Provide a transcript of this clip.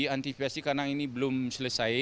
antifisipasi kanang ini belum selesai